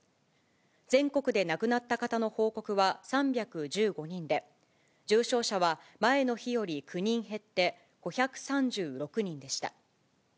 全国で亡くなった方の報告は３１５人で、重症者は前の日より９人減って、５３６人でした。